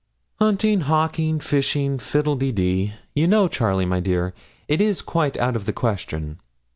'Hunting, hawking, fishing, fiddle de dee! You know, Charlie, my dear, it is quite out of the question.